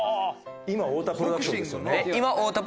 今太田プロダクションですよね？